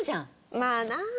まあな。